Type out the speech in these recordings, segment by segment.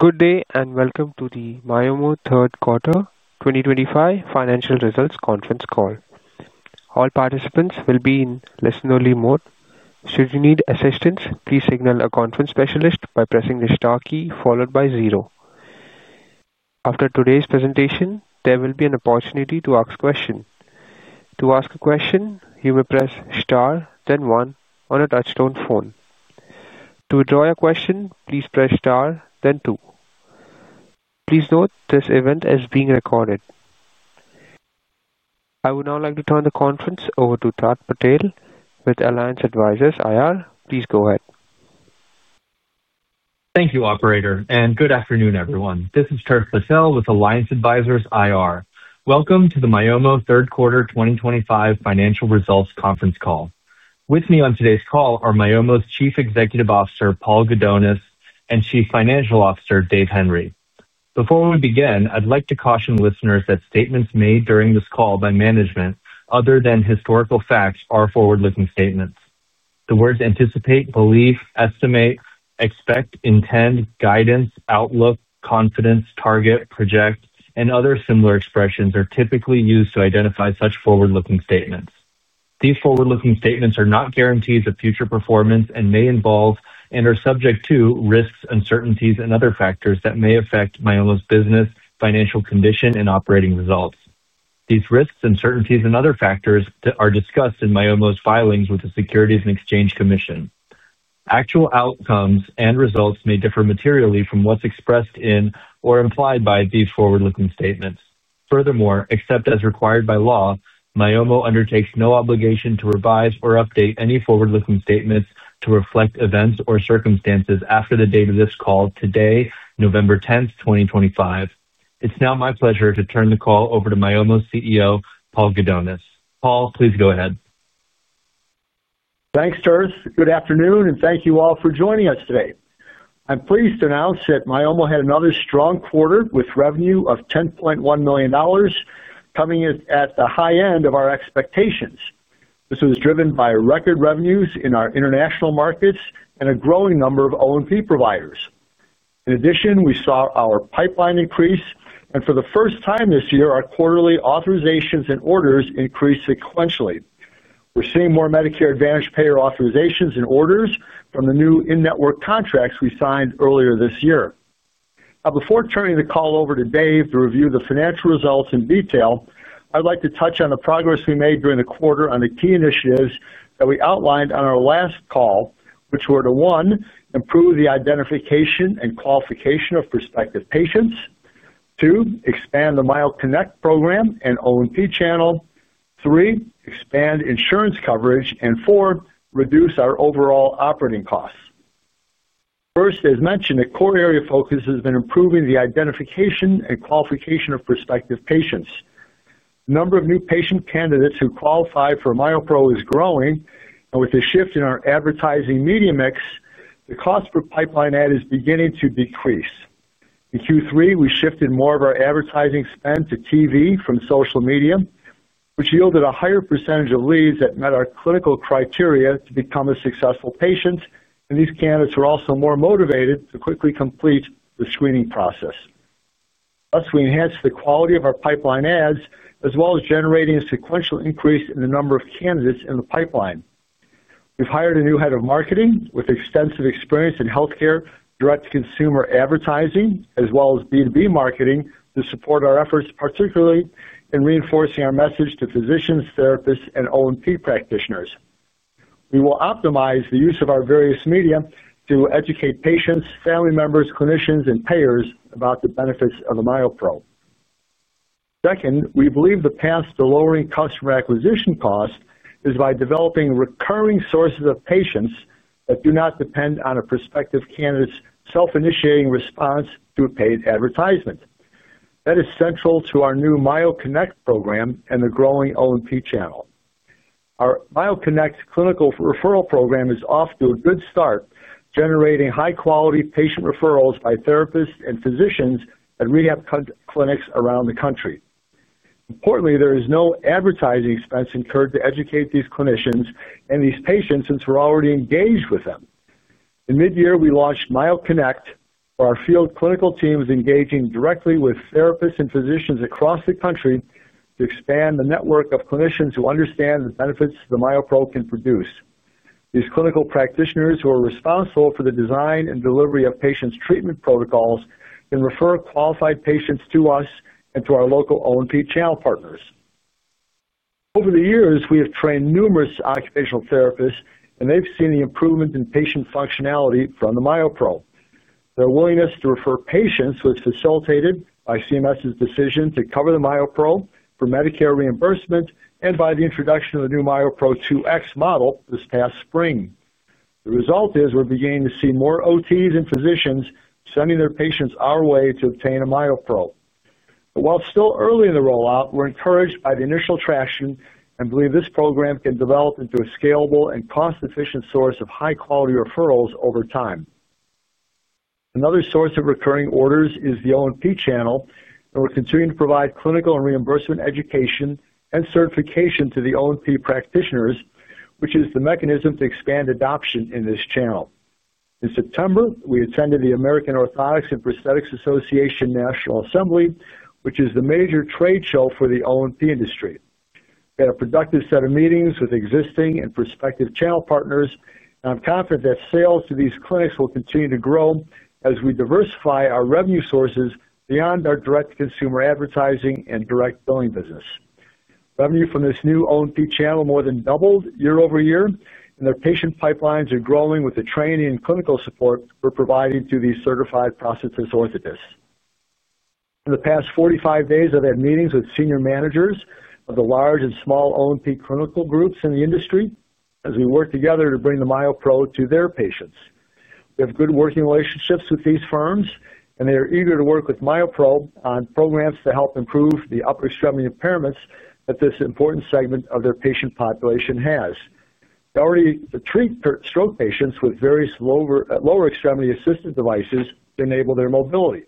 Good day and welcome to the Myomo third quarter 2025 financial results conference call. All participants will be in listener mode. Should you need assistance, please signal a conference specialist by pressing the star key followed by zero. After today's presentation, there will be an opportunity to ask a question. To ask a question, you may press star, then one, on a touch-tone phone. To withdraw your question, please press star, then two. Please note this event is being recorded. I would now like to turn the conference over to Tirth Patel with Alliance Advisors IR. Please go ahead. Thank you, Operator, and good afternoon, everyone. This is Tirth Patel with Alliance Advisors IR. Welcome to the Myomo Third Quarter 2025 Financial Results Conference Call. With me on today's call are Myomo's Chief Executive Officer, Paul Gudonis, and Chief Financial Officer, Dave Henry. Before we begin, I'd like to caution listeners that statements made during this call by management, other than historical facts, are forward-looking statements. The words anticipate, believe, estimate, expect, intend, guidance, outlook, confidence, target, project, and other similar expressions are typically used to identify such forward-looking statements. These forward-looking statements are not guarantees of future performance and may involve and are subject to risks, uncertainties, and other factors that may affect Myomo's business, financial condition, and operating results. These risks, uncertainties, and other factors are discussed in Myomo's filings with the Securities and Exchange Commission. Actual outcomes and results may differ materially from what's expressed in or implied by these forward-looking statements. Furthermore, except as required by law, Myomo undertakes no obligation to revise or update any forward-looking statements to reflect events or circumstances after the date of this call today, November 10th, 2025. It's now my pleasure to turn the call over to Myomo's CEO, Paul Gudonis. Paul, please go ahead. Thanks, Tirth. Good afternoon, and thank you all for joining us today. I'm pleased to announce that Myomo had another strong quarter with revenue of $10.1 million, coming in at the high end of our expectations. This was driven by record revenues in our international markets and a growing number of O&P providers. In addition, we saw our pipeline increase, and for the first time this year, our quarterly authorizations and orders increased sequentially. We're seeing more Medicare Advantage payer authorizations and orders from the new in-network contracts we signed earlier this year. Now, before turning the call over to Dave to review the financial results in detail, I'd like to touch on the progress we made during the quarter on the key initiatives that we outlined on our last call, which were to: one, improve the identification and qualification of prospective patients; two, expand the MyoConnect program and O&P channel; three, expand insurance coverage; and four, reduce our overall operating costs. First, as mentioned, the core area of focus has been improving the identification and qualification of prospective patients. The number of new patient candidates who qualify for MyoPro is growing, and with the shift in our advertising media mix, the cost per pipeline add is beginning to decrease. In Q3, we shifted more of our advertising spend to TV from social media, which yielded a higher percentage of leads that met our clinical criteria to become a successful patient, and these candidates are also more motivated to quickly complete the screening process. Thus, we enhanced the quality of our pipeline ads, as well as generating a sequential increase in the number of candidates in the pipeline. We've hired a new head of marketing with extensive experience in healthcare, direct-to-consumer advertising, as well as B2B marketing to support our efforts, particularly in reinforcing our message to physicians, therapists, and O&P practitioners. We will optimize the use of our various media to educate patients, family members, clinicians, and payers about the benefits of the MyoPro. Second, we believe the path to lowering customer acquisition costs is by developing recurring sources of patients that do not depend on a prospective candidate's self-initiating response to a paid advertisement. That is central to our new MyoConnect program and the growing O&P channel. Our MyoConnect clinical referral program is off to a good start, generating high-quality patient referrals by therapists and physicians at rehab clinics around the country. Importantly, there is no advertising expense incurred to educate these clinicians and these patients since we're already engaged with them. In mid-year, we launched MyoConnect, where our field clinical team is engaging directly with therapists and physicians across the country to expand the network of clinicians who understand the benefits the MyoPro can produce. These clinical practitioners, who are responsible for the design and delivery of patients' treatment protocols, can refer qualified patients to us and to our local O&P channel partners. Over the years, we have trained numerous occupational therapists, and they've seen the improvement in patient functionality from the MyoPro. Their willingness to refer patients was facilitated by CMS's decision to cover the MyoPro for Medicare reimbursement and by the introduction of the new MyoPro 2x model this past spring. The result is we're beginning to see more OTs and physicians sending their patients our way to obtain a MyoPro. While still early in the rollout, we're encouraged by the initial traction and believe this program can develop into a scalable and cost-efficient source of high-quality referrals over time. Another source of recurring orders is the O&P channel, and we're continuing to provide clinical and reimbursement education and certification to the O&P practitioners, which is the mechanism to expand adoption in this channel. In September, we attended the American Orthotics and Prosthetics Association National Assembly, which is the major trade show for the O&P industry. We had a productive set of meetings with existing and prospective channel partners, and I'm confident that sales to these clinics will continue to grow as we diversify our revenue sources beyond our direct-to-consumer advertising and direct billing business. Revenue from this new O&P channel more than doubled year-over-year, and their patient pipelines are growing with the training and clinical support we're providing to these certified prosthetist orthotists. In the past 45 days, I've had meetings with senior managers of the large and small O&P clinical groups in the industry as we work together to bring the MyoPro to their patients. We have good working relationships with these firms, and they are eager to work with MyoPro on programs to help improve the upper extremity impairments that this important segment of their patient population has. They already treat stroke patients with various lower extremity assistive devices to enable their mobility.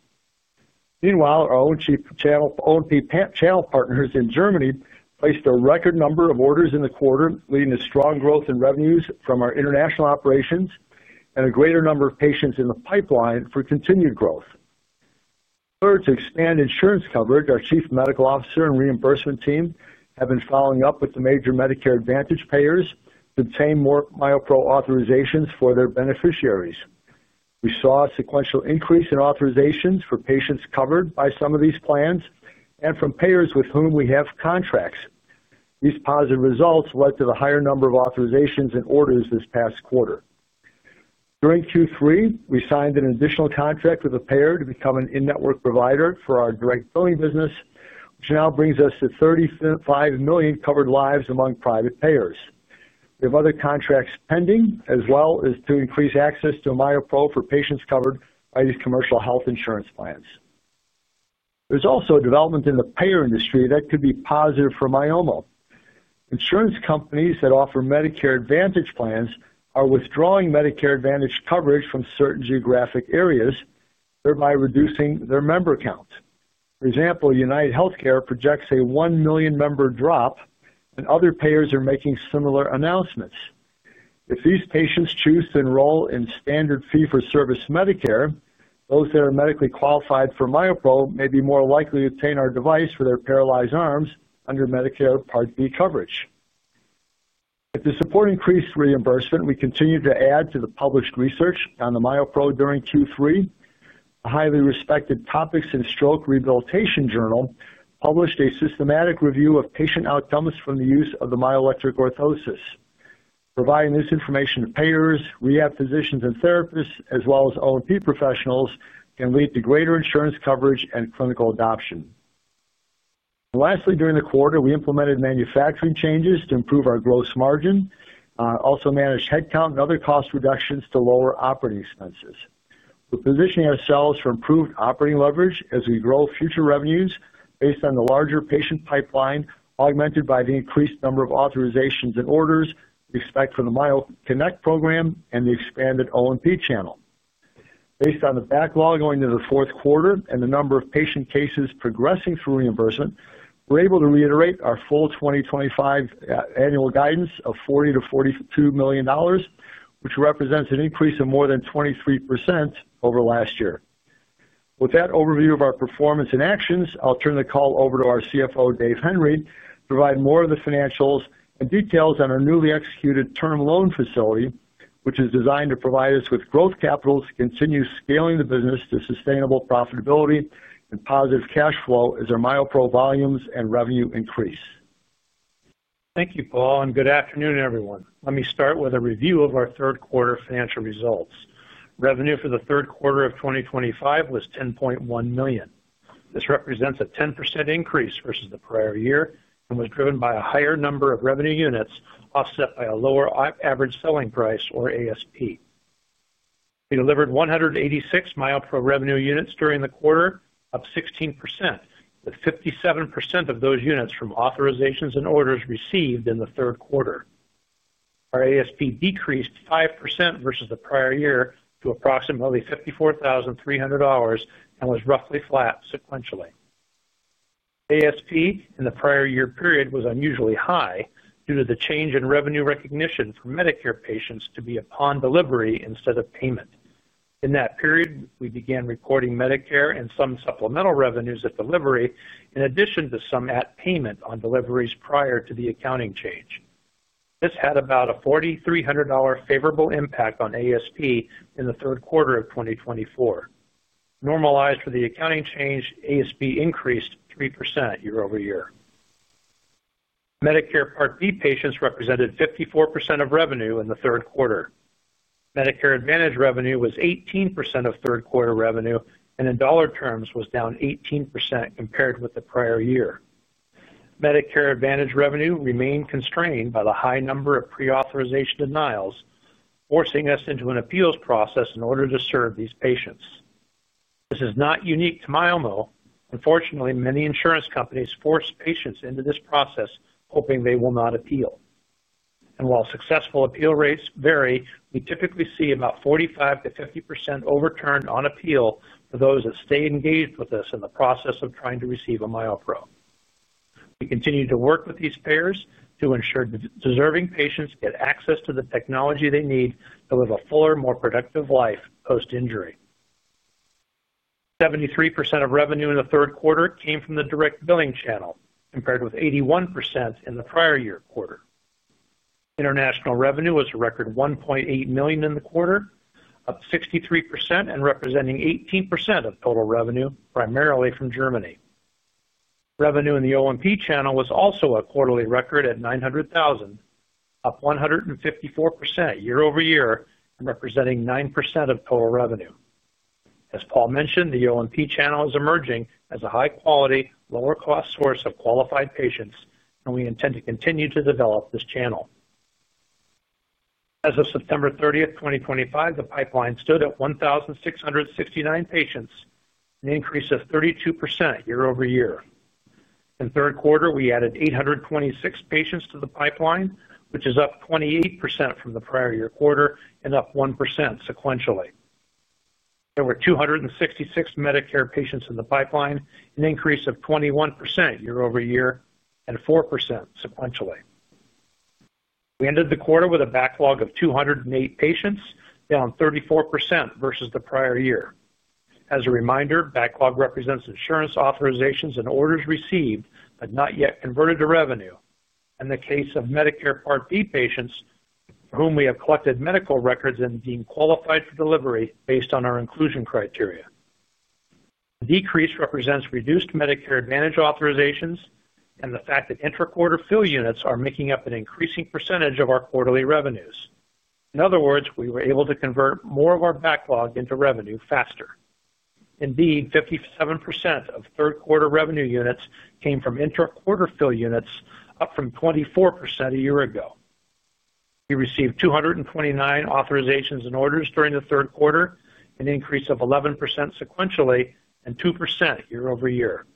Meanwhile, our O&P channel partners in Germany placed a record number of orders in the quarter, leading to strong growth in revenues from our international operations and a greater number of patients in the pipeline for continued growth. Third, to expand insurance coverage, our Chief Medical Officer and reimbursement team have been following up with the major Medicare Advantage payers to obtain more MyoPro authorizations for their beneficiaries. We saw a sequential increase in authorizations for patients covered by some of these plans and from payers with whom we have contracts. These positive results led to the higher number of authorizations and orders this past quarter. During Q3, we signed an additional contract with a payer to become an in-network provider for our direct billing business, which now brings us to 35 million covered lives among private payers. We have other contracts pending, as well as to increase access to MyoPro for patients covered by these commercial health insurance plans. There's also development in the payer industry that could be positive for Myomo. Insurance companies that offer Medicare Advantage plans are withdrawing Medicare Advantage coverage from certain geographic areas, thereby reducing their member count. For example, UnitedHealthcare projects a 1 million member drop, and other payers are making similar announcements. If these patients choose to enroll in standard fee-for-service Medicare, those that are medically qualified for MyoPro may be more likely to obtain our device for their paralyzed arms under Medicare Part B coverage. With the support of increased reimbursement, we continue to add to the published research on the MyoPro during Q3. A highly respected Topics in Stroke Rehabilitation journal published a systematic review of patient outcomes from the use of the myoelectric orthosis. Providing this information to payers, rehab physicians, and therapists, as well as O&P professionals, can lead to greater insurance coverage and clinical adoption. Lastly, during the quarter, we implemented manufacturing changes to improve our gross margin, also managed headcount and other cost reductions to lower operating expenses. We're positioning ourselves for improved operating leverage as we grow future revenues based on the larger patient pipeline augmented by the increased number of authorizations and orders we expect from the MyoConnect program and the expanded O&P channel. Based on the backlog going into the fourth quarter and the number of patient cases progressing through reimbursement, we're able to reiterate our full 2025 annual guidance of $40 million-$42 million, which represents an increase of more than 23% over last year. With that overview of our performance and actions, I'll turn the call over to our CFO, Dave Henry, to provide more of the financials and details on our newly executed term loan facility, which is designed to provide us with growth capital to continue scaling the business to sustainable profitability and positive cash flow as our MyoPro volumes and revenue increase. Thank you, Paul, and good afternoon, everyone. Let me start with a review of our third quarter financial results. Revenue for the third quarter of 2025 was $10.1 million. This represents a 10% increase versus the prior year and was driven by a higher number of revenue units offset by a lower average selling price, or ASP. We delivered 186 MyoPro revenue units during the quarter, up 16%, with 57% of those units from authorizations and orders received in the third quarter. Our ASP decreased 5% versus the prior year to approximately $54,300 and was roughly flat sequentially. ASP in the prior year period was unusually high due to the change in revenue recognition for Medicare patients to be upon delivery instead of payment. In that period, we began reporting Medicare and some supplemental revenues at delivery, in addition to some at payment on deliveries prior to the accounting change. This had about a $4,300 favorable impact on ASP in the third quarter of 2024. Normalized for the accounting change, ASP increased 3% year-over-year. Medicare Part B patients represented 54% of revenue in the third quarter. Medicare Advantage revenue was 18% of third quarter revenue, and in dollar terms, was down 18% compared with the prior year. Medicare Advantage revenue remained constrained by the high number of pre-authorization denials, forcing us into an appeals process in order to serve these patients. This is not unique to Myomo. Unfortunately, many insurance companies force patients into this process, hoping they will not appeal. While successful appeal rates vary, we typically see about 45%-50% overturned on appeal for those that stay engaged with us in the process of trying to receive a MyoPro. We continue to work with these payers to ensure deserving patients get access to the technology they need to live a fuller, more productive life post-injury. 73% of revenue in the third quarter came from the direct billing channel, compared with 81% in the prior year quarter. International revenue was a record $1.8 million in the quarter, up 63% and representing 18% of total revenue, primarily from Germany. Revenue in the O&P channel was also a quarterly record at $900,000, up 154% year-over-year and representing 9% of total revenue. As Paul mentioned, the O&P channel is emerging as a high-quality, lower-cost source of qualified patients, and we intend to continue to develop this channel. As September 30th, 2025, the pipeline stood at 1,669 patients, an increase of 32% year-over-year. In third quarter, we added 826 patients to the pipeline, which is up 28% from the prior year quarter and up 1% sequentially. There were 266 Medicare patients in the pipeline, an increase of 21% year-over-year and 4% sequentially. We ended the quarter with a backlog of 208 patients, down 34% versus the prior year. As a reminder, backlog represents insurance authorizations and orders received but not yet converted to revenue, in the case of Medicare Part B patients for whom we have collected medical records and deemed qualified for delivery based on our inclusion criteria. The decrease represents reduced Medicare Advantage authorizations and the fact that intra-quarter fill units are making up an increasing percentage of our quarterly revenues. In other words, we were able to convert more of our backlog into revenue faster. Indeed, 57% of third-quarter revenue units came from intra-quarter fill units, up from 24% a year ago. We received 229 authorizations and orders during the third quarter, an increase of 11% sequentially and 2% year-over-year.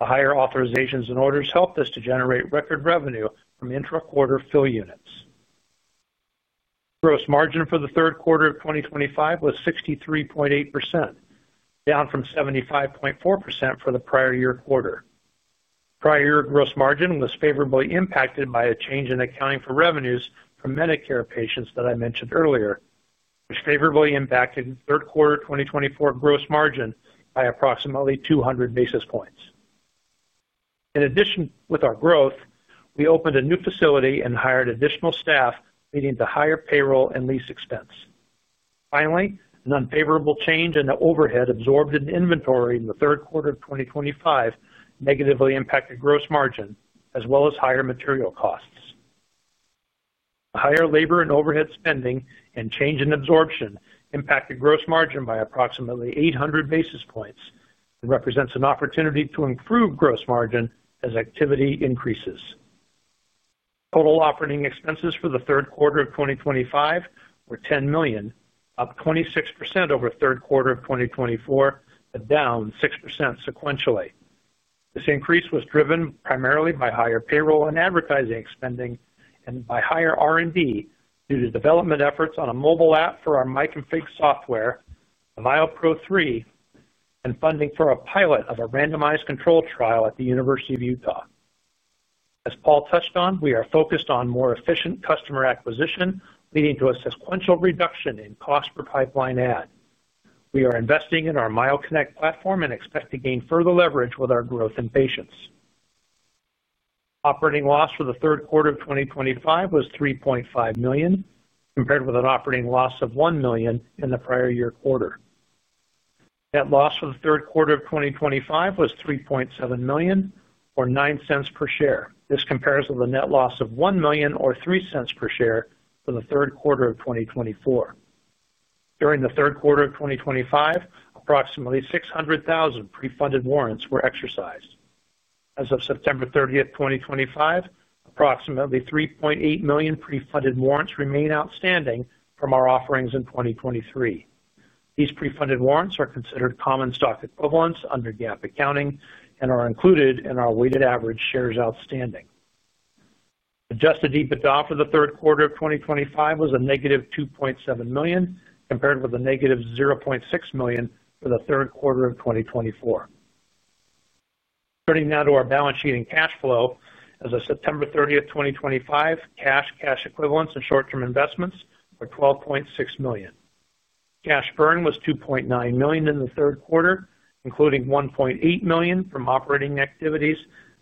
The higher authorizations and orders helped us to generate record revenue from intra-quarter fill units. Gross margin for the third quarter of 2025 was 63.8%, down from 75.4% for the prior year quarter. Prior year gross margin was favorably impacted by a change in accounting for revenues from Medicare patients that I mentioned earlier, which favorably impacted third quarter 2024 gross margin by approximately 200 basis points. In addition, with our growth, we opened a new facility and hired additional staff, leading to higher payroll and lease expense. Finally, an unfavorable change in the overhead absorbed in inventory in the third quarter of 2025 negatively impacted gross margin, as well as higher material costs. The higher labor and overhead spending and change in absorption impacted gross margin by approximately 800 basis points and represents an opportunity to improve gross margin as activity increases. Total operating expenses for the third quarter of 2025 were $10 million, up 26% over third quarter of 2024, but down 6% sequentially. This increase was driven primarily by higher payroll and advertising spending and by higher R&D due to development efforts on a mobile app for our MyConfig software, the MyoPro 3, and funding for a pilot of a randomized control trial at the University of Utah. As Paul touched on, we are focused on more efficient customer acquisition, leading to a sequential reduction in cost per pipeline add. We are investing in our MyoConnect platform and expect to gain further leverage with our growth in patients. Operating loss for the third quarter of 2025 was $3.5 million, compared with an operating loss of $1 million in the prior year quarter. Net loss for the third quarter of 2025 was $3.7 million, or $0.09 per share. This compares with a net loss of $1 million, or $0.03 per share, for the third quarter of 2024. During the third quarter of 2025, approximately 600,000 pre-funded warrants were exercised. As September 30th, 2025, approximately 3.8 million pre-funded warrants remain outstanding from our offerings in 2023. These pre-funded warrants are considered common stock equivalents under GAAP accounting and are included in our weighted average shares outstanding. Adjusted EBITDA for the third quarter of 2025 was a negative $2.7 million, compared with a negative $0.6 million for the third quarter of 2024. Turning now to our balance sheet and cash flow, as of September 30th, 2025, cash, cash equivalents, and short-term investments were $12.6 million. Cash burn was $2.9 million in the third quarter, including $1.8 million from operating activities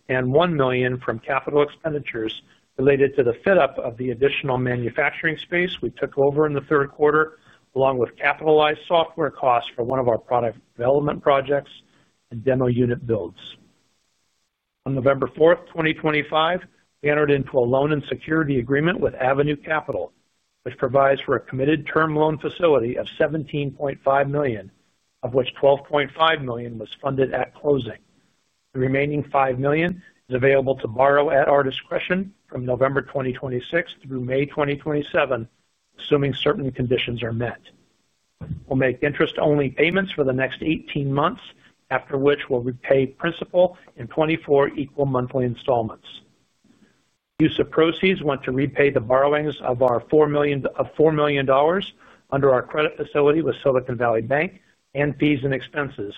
and $1 million from capital expenditures related to the fit-up of the additional manufacturing space we took over in the third quarter, along with capitalized software costs for one of our product development projects and demo unit builds. On November 4th, 2025, we entered into a loan and security agreement with Avenue Capital, which provides for a committed term loan facility of $17.5 million, of which $12.5 million was funded at closing. The remaining $5 million is available to borrow at our discretion from November 2026 through May 2027, assuming certain conditions are met. We'll make interest-only payments for the next 18 months, after which we'll repay principal in 24 equal monthly installments. Use of proceeds went to repay the borrowings of $4 million under our credit facility with Silicon Valley Bank and fees and expenses,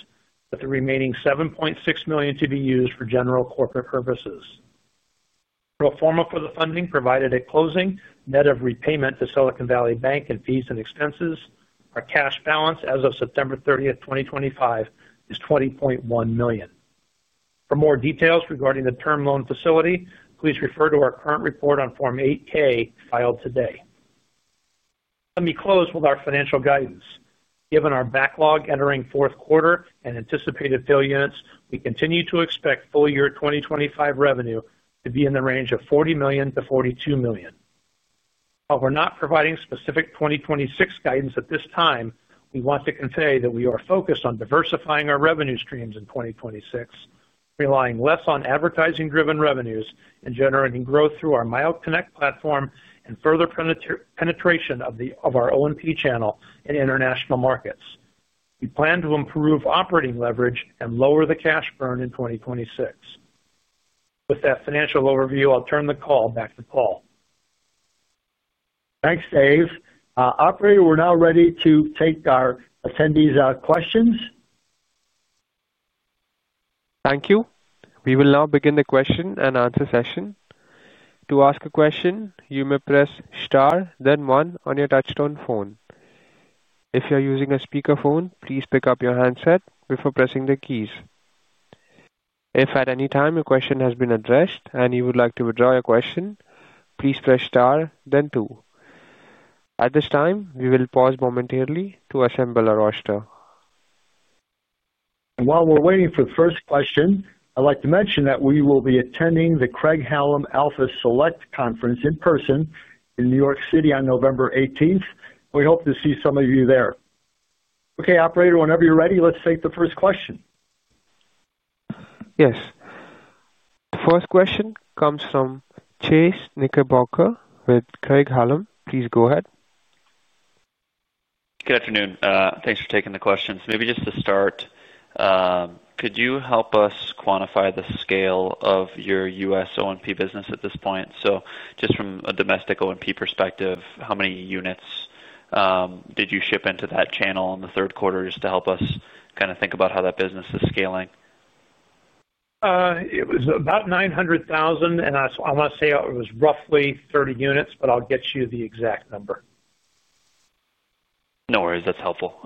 with the remaining $7.6 million to be used for general corporate purposes. Pro forma for the funding provided at closing net of repayment to Silicon Valley Bank and fees and expenses. Our cash balance as of September 30th, 2025, is $20.1 million. For more details regarding the term loan facility, please refer to our current report on Form 8-K filed today. Let me close with our financial guidance. Given our backlog entering fourth quarter and anticipated fill units, we continue to expect full year 2025 revenue to be in the range of $40 million-$42 million. While we're not providing specific 2026 guidance at this time, we want to convey that we are focused on diversifying our revenue streams in 2026, relying less on advertising-driven revenues and generating growth through our MyoConnect platform and further penetration of our O&P channel in international markets. We plan to improve operating leverage and lower the cash burn in 2026. With that financial overview, I'll turn the call back to Paul. Thanks, Dave. Operator, we're now ready to take our attendees' questions. Thank you. We will now begin the question and answer session. To ask a question, you may press star, then one on your touch-tone phone. If you're using a speakerphone, please pick up your handset before pressing the keys. If at any time your question has been addressed and you would like to withdraw your question, please press star, then two. At this time, we will pause momentarily to assemble our roster. While we're waiting for the first question, I'd like to mention that we will be attending the Craig-Hallum Alpha Select Conference in person in New York City on November 18th. We hope to see some of you there. Okay, Operator, whenever you're ready, let's take the first question. Yes. The first question comes from Chase Knickerbocker with Craig-Hallum. Please go ahead. Good afternoon. Thanks for taking the questions. Maybe just to start, could you help us quantify the scale of your U.S. O&P business at this point? So just from a domestic O&P perspective, how many units did you ship into that channel in the third quarter just to help us kind of think about how that business is scaling? It was about $900,000, and I must say it was roughly 30 units, but I'll get you the exact number. No worries. That's helpful.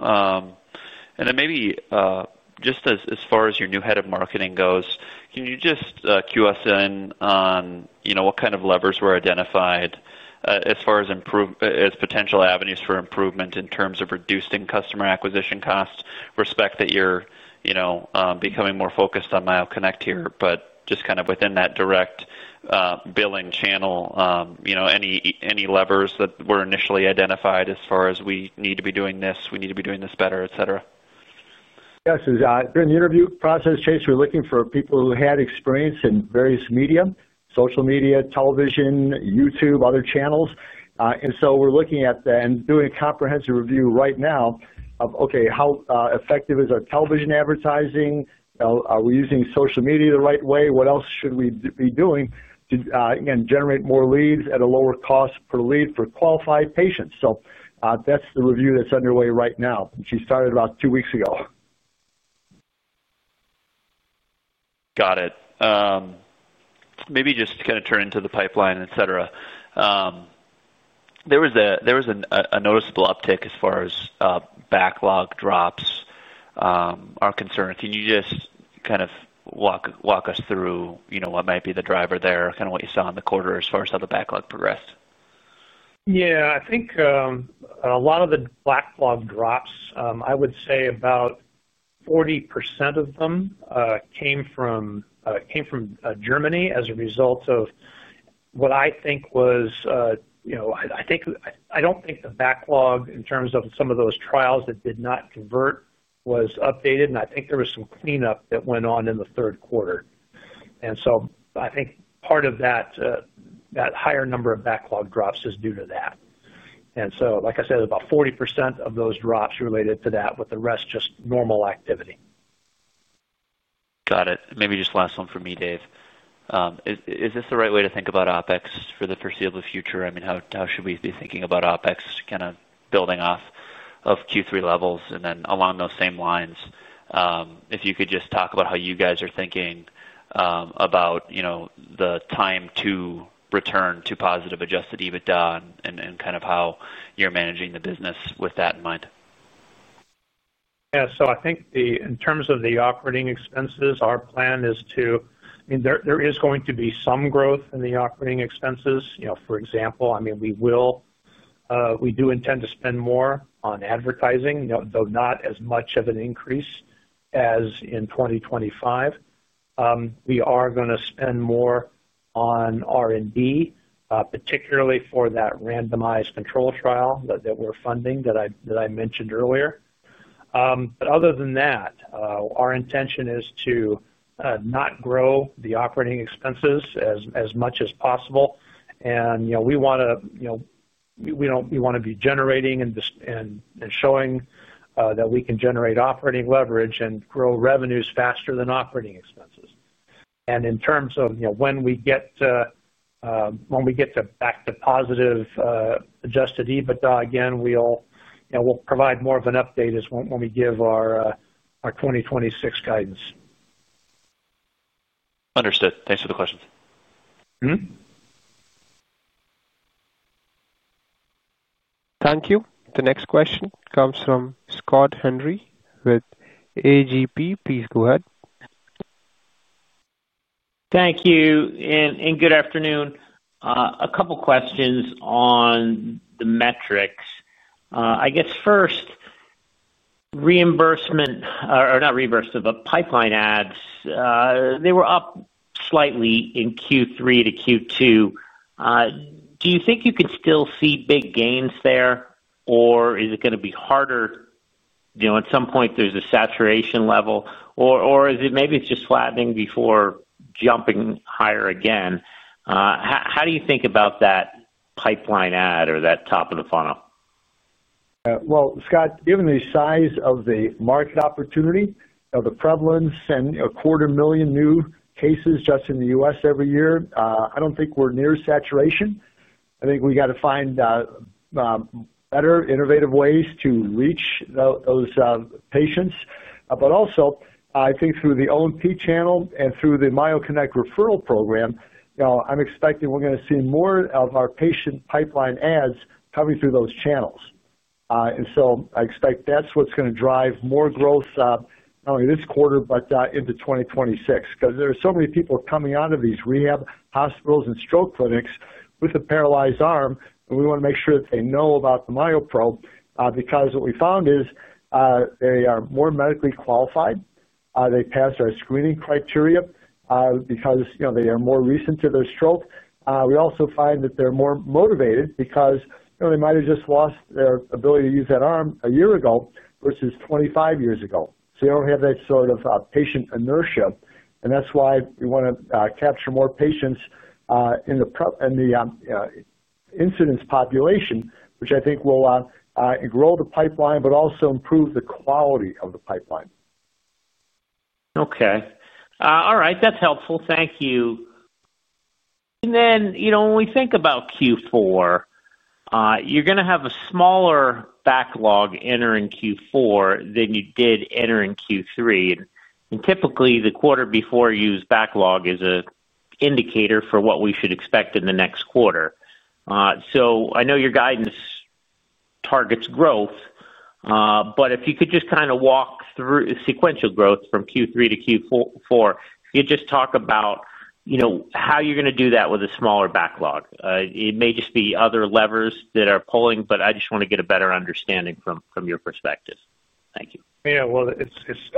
Maybe just as far as your new head of marketing goes, can you just cue us in on what kind of levers were identified as far as potential avenues for improvement in terms of reducing customer acquisition costs? I respect that you're becoming more focused on MyoConnect here, but just kind of within that direct billing channel, any levers that were initially identified as far as we need to be doing this, we need to be doing this better, etc.? Yes. During the interview process, Chase, we're looking for people who had experience in various media, social media, television, YouTube, other channels. We are looking at and doing a comprehensive review right now of, okay, how effective is our television advertising? Are we using social media the right way? What else should we be doing to, again, generate more leads at a lower cost per lead for qualified patients? That is the review that is underway right now. She started about two weeks ago. Got it. Maybe just kind of turn into the pipeline, etc. There was a noticeable uptick as far as backlog drops are concerned. Can you just kind of walk us through what might be the driver there, kind of what you saw in the quarter as far as how the backlog progressed? Yeah. I think a lot of the backlog drops, I would say about 40% of them came from Germany as a result of what I think was I don't think the backlog in terms of some of those trials that did not convert was updated, and I think there was some cleanup that went on in the third quarter. I think part of that higher number of backlog drops is due to that. Like I said, about 40% of those drops related to that, with the rest just normal activity. Got it. Maybe just last one for me, Dave. Is this the right way to think about OpEx for the foreseeable future? I mean, how should we be thinking about OpEx kind of building off of Q3 levels? And then along those same lines, if you could just talk about how you guys are thinking about the time to return to positive Adjusted EBITDA and kind of how you're managing the business with that in mind. Yeah. So I think in terms of the operating expenses, our plan is to, I mean, there is going to be some growth in the operating expenses. For example, I mean, we do intend to spend more on advertising, though not as much of an increase as in 2025. We are going to spend more on R&D, particularly for that randomized control trial that we're funding that I mentioned earlier. Other than that, our intention is to not grow the operating expenses as much as possible. We want to be generating and showing that we can generate operating leverage and grow revenues faster than operating expenses. In terms of when we get to when we get back to positive Adjusted EBITDA, again, we'll provide more of an update when we give our 2026 guidance. Understood. Thanks for the questions. Thank you. The next question comes from Scott Henry with AGP. Please go ahead. Thank you. Good afternoon. A couple of questions on the metrics. I guess first, reimbursement or not reimbursement, but pipeline adds, they were up slightly in Q3-Q2, do you think you could still see big gains there, or is it going to be harder? At some point, there is a saturation level, or maybe it is just flattening before jumping higher again. How do you think about that pipeline add or that top of the funnel? Scott, given the size of the market opportunity, the prevalence and a quarter million new cases just in the U.S. every year, I do not think we are near saturation. I think we have to find better, innovative ways to reach those patients. I think through the O&P channel and through the MyoConnect referral program, I am expecting we are going to see more of our patient pipeline adds coming through those channels. I expect that is what is going to drive more growth not only this quarter but into 2026. There are so many people coming out of these rehab hospitals and stroke clinics with a paralyzed arm, and we want to make sure that they know about the MyoPro because what we found is they are more medically qualified. They pass our screening criteria because they are more recent to their stroke. We also find that they're more motivated because they might have just lost their ability to use that arm a year ago versus 25 years ago. They do not have that sort of patient inertia. That is why we want to capture more patients in the incidence population, which I think will grow the pipeline but also improve the quality of the pipeline. Okay. All right. That's helpful. Thank you. And then when we think about Q4, you're going to have a smaller backlog entering Q4 than you did entering Q3. Typically, the quarter before you use backlog is an indicator for what we should expect in the next quarter. I know your guidance targets growth, but if you could just kind of walk through sequential growth from Q3-Q4, if you could just talk about how you're going to do that with a smaller backlog. It may just be other levers that are pulling, but I just want to get a better understanding from your perspective. Thank you. Yeah.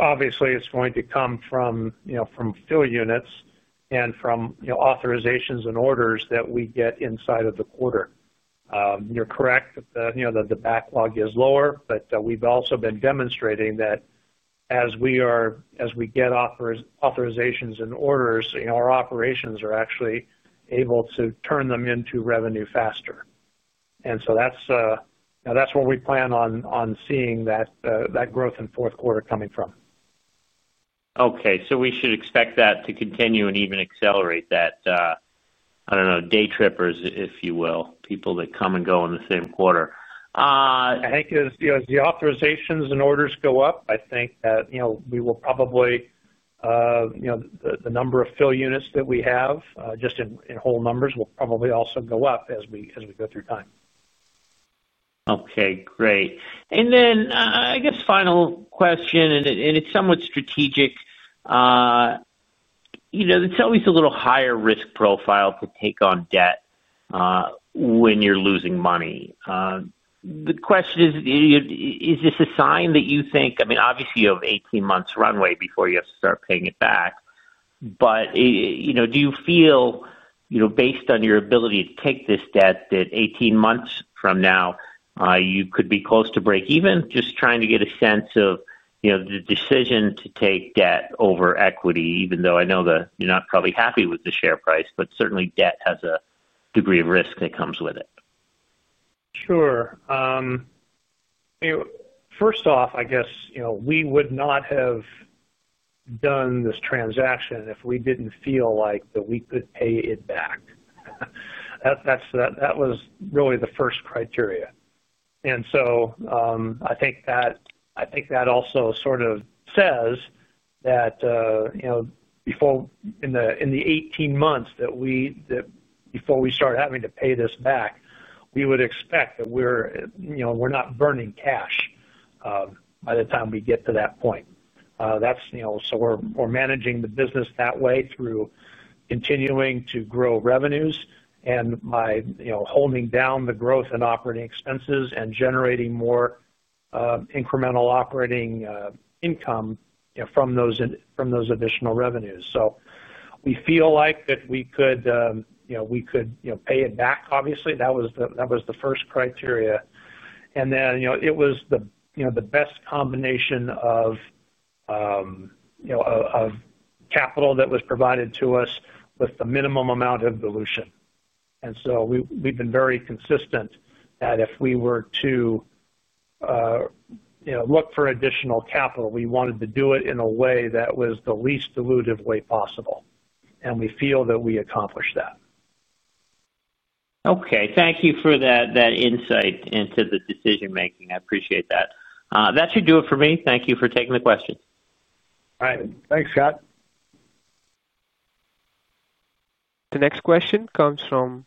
Obviously, it's going to come from fill units and from authorizations and orders that we get inside of the quarter. You're correct that the backlog is lower, but we've also been demonstrating that as we get authorizations and orders, our operations are actually able to turn them into revenue faster. That's where we plan on seeing that growth in fourth quarter coming from. Okay. So we should expect that to continue and even accelerate that. I don't know, day trippers, if you will, people that come and go in the same quarter. I think as the authorizations and orders go up, I think that we will probably, the number of fill units that we have, just in whole numbers, will probably also go up as we go through time. Okay. Great. I guess final question, and it's somewhat strategic. It's always a little higher risk profile to take on debt when you're losing money. The question is, is this a sign that you think, I mean, obviously, you have 18 months runway before you have to start paying it back. Do you feel, based on your ability to take this debt, that 18 months from now, you could be close to breakeven? Just trying to get a sense of the decision to take debt over equity, even though I know that you're not probably happy with the share price, but certainly, debt has a degree of risk that comes with it. Sure. First off, I guess we would not have done this transaction if we did not feel like that we could pay it back. That was really the first criteria. I think that also sort of says that in the 18 months before we start having to pay this back, we would expect that we are not burning cash by the time we get to that point. We are managing the business that way through continuing to grow revenues and by holding down the growth in operating expenses and generating more incremental operating income from those additional revenues. We feel like that we could pay it back, obviously. That was the first criteria. It was the best combination of capital that was provided to us with the minimum amount of dilution. We have been very consistent that if we were to look for additional capital, we wanted to do it in a way that was the least dilutive way possible. We feel that we accomplished that. Okay. Thank you for that insight into the decision-making. I appreciate that. That should do it for me. Thank you for taking the question. All right. Thanks, Scott. The next question comes from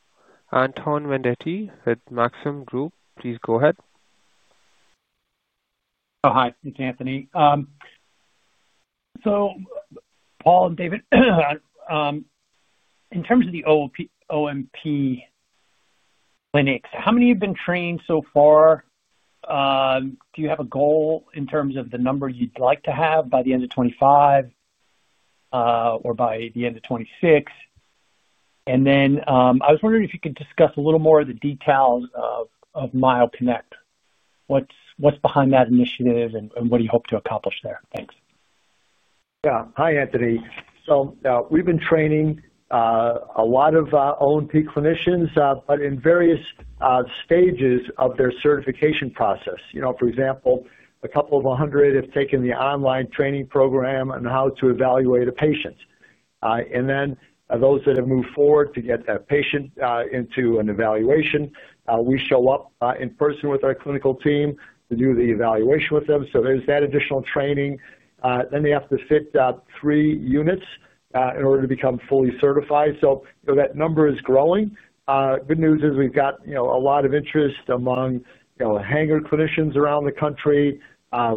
Anthony Vendetti at Maxim Group. Please go ahead. Oh, hi. It's Anthony. So Paul and David, in terms of the O&P clinics, how many have been trained so far? Do you have a goal in terms of the number you'd like to have by the end of 2025 or by the end of 2026? I was wondering if you could discuss a little more of the details of MyoConnect, what's behind that initiative, and what do you hope to accomplish there? Thanks. Yeah. Hi, Anthony. So we've been training a lot of O&P clinicians, but in various stages of their certification process. For example, a couple of hundred have taken the online training program on how to evaluate a patient. And then those that have moved forward to get that patient into an evaluation, we show up in person with our clinical team to do the evaluation with them. So there's that additional training. Then they have to fit three units in order to become fully certified. So that number is growing. Good news is we've got a lot of interest among Hanger clinicians around the country.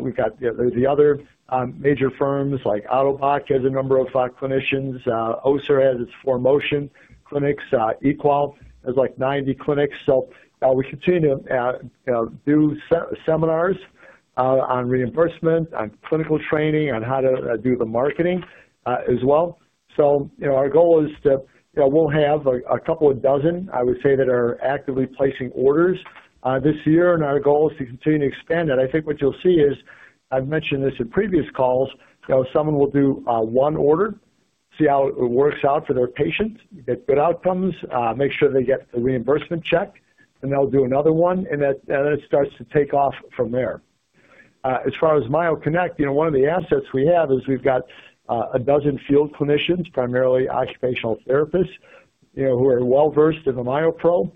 We've got the other major firms like Ottobock has a number of clinicians. Össur has its Four Motion clinics. Össur has like 90 clinics. We continue to do seminars on reimbursement, on clinical training, on how to do the marketing as well. Our goal is to we'll have a couple of dozen, I would say, that are actively placing orders this year. Our goal is to continue to expand that. I think what you'll see is, I've mentioned this in previous calls, someone will do one order, see how it works out for their patients, get good outcomes, make sure they get the reimbursement check, and they'll do another one. It starts to take off from there. As far as MyoConnect, one of the assets we have is we've got a dozen field clinicians, primarily occupational therapists, who are well-versed in the MyoPro.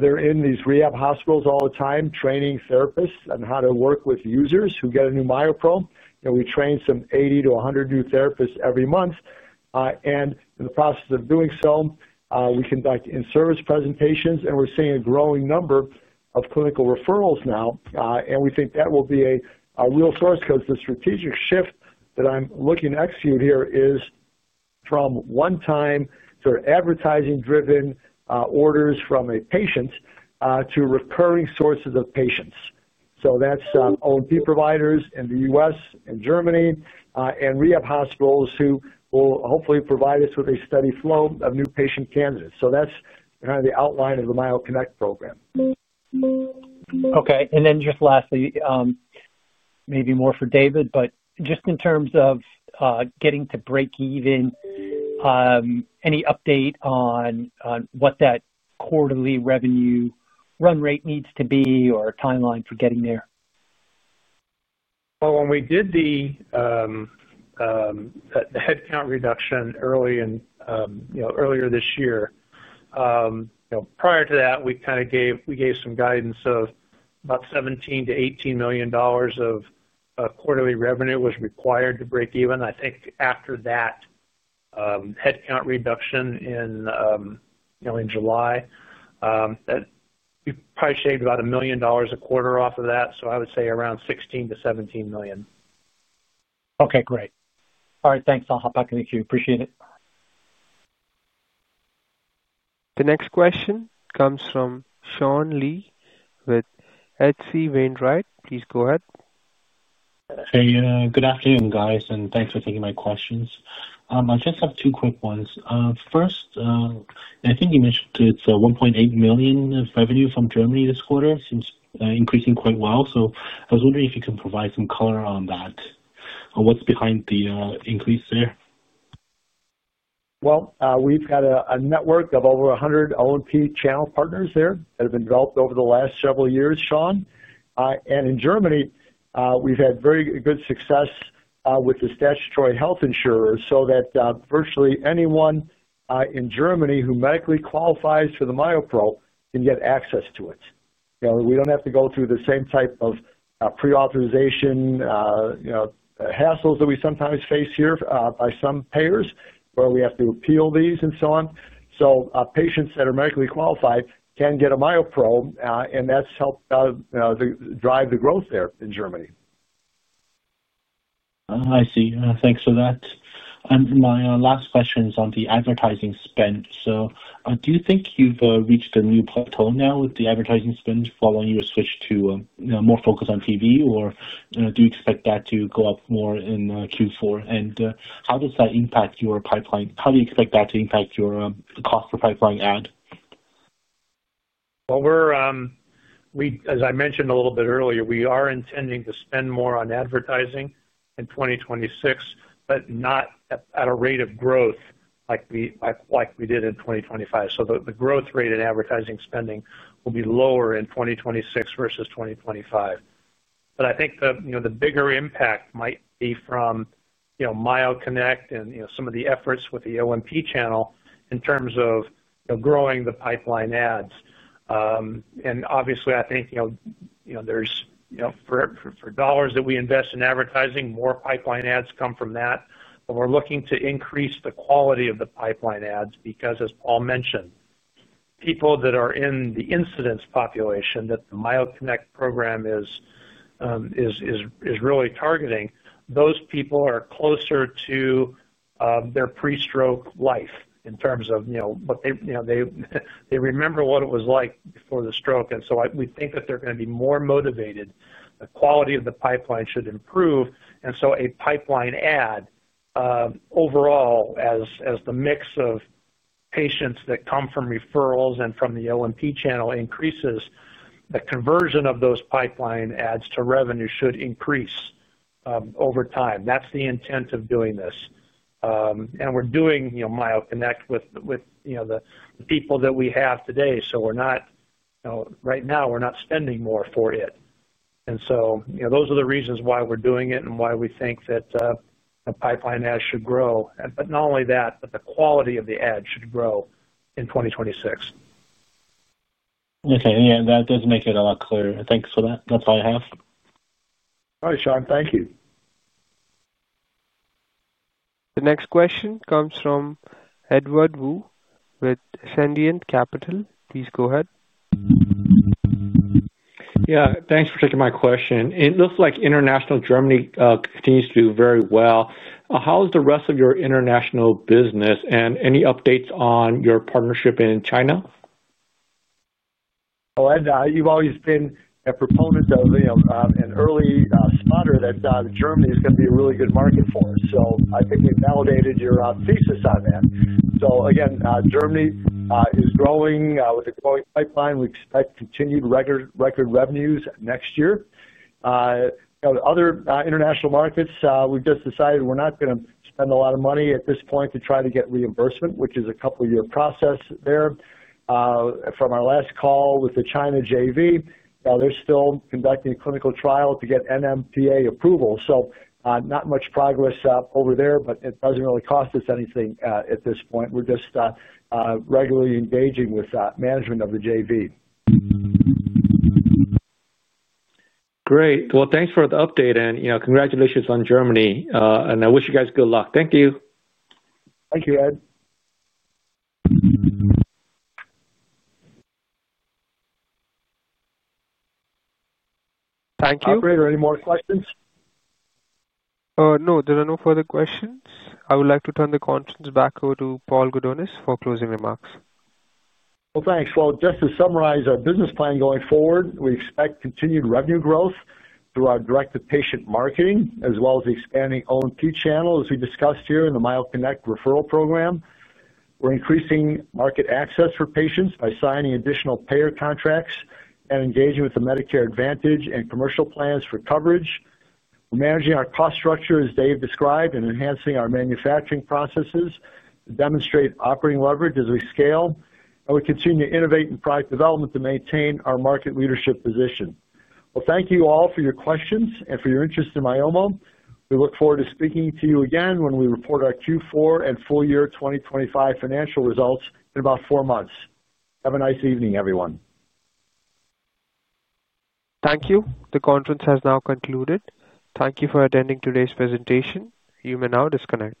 They're in these rehab hospitals all the time, training therapists on how to work with users who get a new MyoPro. We train some 80-100 new therapists every month. In the process of doing so, we conduct in-service presentations, and we're seeing a growing number of clinical referrals now. We think that will be a real source because the strategic shift that I'm looking to execute here is from one-time sort of advertising-driven orders from a patient to recurring sources of patients. That's O&P providers in the U.S. and Germany and rehab hospitals who will hopefully provide us with a steady flow of new patient candidates. That's kind of the outline of the MyoConnect program. Okay. And then just lastly, maybe more for David, but just in terms of getting to breakeven, any update on what that quarterly revenue run rate needs to be or timeline for getting there? When we did the headcount reduction earlier this year, prior to that, we kind of gave some guidance of about $17 million-$18 million of quarterly revenue was required to breakeven. I think after that headcount reduction in July, we probably saved about $1 million a quarter off of that. I would say around $16-$17 million. Okay. Great. All right. Thanks. I'll hop back in with you. Appreciate it. The next question comes from Sean Lee with H.C. Wainwright. Please go ahead. Hey. Good afternoon, guys, and thanks for taking my questions. I just have two quick ones. First, I think you mentioned it's $1.8 million of revenue from Germany this quarter. It seems increasing quite well. I was wondering if you can provide some color on that, on what's behind the increase there. We've had a network of over 100 O&P channel partners there that have been developed over the last several years, Sean. In Germany, we've had very good success with the statutory health insurers so that virtually anyone in Germany who medically qualifies for the MyoPro can get access to it. We don't have to go through the same type of pre-authorization hassles that we sometimes face here by some payers where we have to appeal these and so on. Patients that are medically qualified can get a MyoPro, and that's helped drive the growth there in Germany. I see. Thanks for that. My last question is on the advertising spend. Do you think you've reached a new plateau now with the advertising spend following your switch to more focus on TV, or do you expect that to go up more in Q4? How does that impact your pipeline? How do you expect that to impact your cost per pipeline ad? As I mentioned a little bit earlier, we are intending to spend more on advertising in 2026, but not at a rate of growth like we did in 2025. The growth rate in advertising spending will be lower in 2026 versus 2025. I think the bigger impact might be from MyoConnect and some of the efforts with the O&P channel in terms of growing the pipeline ads. Obviously, I think for dollars that we invest in advertising, more pipeline ads come from that. We are looking to increase the quality of the pipeline ads because, as Paul mentioned, people that are in the incident population that the MyoConnect program is really targeting, those people are closer to their pre-stroke life in terms of what they remember what it was like before the stroke. We think that they're going to be more motivated. The quality of the pipeline should improve. A pipeline add overall, as the mix of patients that come from referrals and from the O&P channel increases, the conversion of those pipeline adds to revenue should increase over time. That is the intent of doing this. We are doing MyoConnect with the people that we have today. Right now, we are not spending more for it. Those are the reasons why we are doing it and why we think that pipeline adds should grow. Not only that, but the quality of the add should grow in 2026. Okay. Yeah. That does make it a lot clearer. Thanks for that. That's all I have. All right, Sean. Thank you. The next question comes from Edward Woo with Sentient Capital. Please go ahead. Yeah. Thanks for taking my question. It looks like international Germany continues to do very well. How is the rest of your international business and any updates on your partnership in China? Ed, you've always been a proponent of an early spotter that Germany is going to be a really good market for. I think we validated your thesis on that. Germany is growing with a growing pipeline. We expect continued record revenues next year. Other international markets, we've just decided we're not going to spend a lot of money at this point to try to get reimbursement, which is a couple-year process there. From our last call with the China JV, they're still conducting a clinical trial to get NMPA approval. Not much progress over there, but it doesn't really cost us anything at this point. We're just regularly engaging with management of the JV. Great. Thanks for the update. Congratulations on Germany. I wish you guys good luck. Thank you. Thank you, Ed. Thank you. Operator, are there any more questions? No. There are no further questions. I would like to turn the conference back over to Paul Gudonis for closing remarks. Thank you. Just to summarize our business plan going forward, we expect continued revenue growth through our direct-to-patient marketing as well as expanding O&P channels as we discussed here in the MyoConnect referral program. We are increasing market access for patients by signing additional payer contracts and engaging with the Medicare Advantage and commercial plans for coverage. We are managing our cost structure as Dave described and enhancing our manufacturing processes to demonstrate operating leverage as we scale. We continue to innovate in product development to maintain our market leadership position. Thank you all for your questions and for your interest in Myomo. We look forward to speaking to you again when we report our Q4 and full-year 2025 financial results in about four months. Have a nice evening, everyone. Thank you. The conference has now concluded. Thank you for attending today's presentation. You may now disconnect.